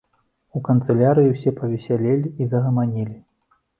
У канцылярыі ўсе павесялелі і загаманілі.